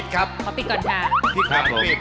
ขอปิดก่อนค่ะ